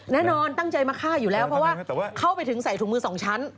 แน่นอนตั้งใจมาฆ่าอยู่แล้วเพราะว่าเข้าไปถึงใส่ถุงมือสองชั้น